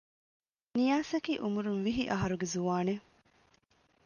ނިޔާސަކީ އުމުރުން ވިހި އަހަރުގެ ޒުވާނެއް